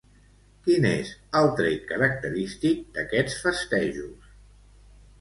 Quin és el tret característic d'aquests festejos?